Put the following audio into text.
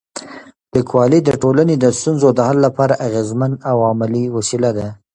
لیکوالی د ټولنې د ستونزو د حل لپاره اغېزمن او عملي وسیله ده.